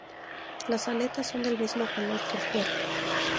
Las aletas son del mismo color que el cuerpo.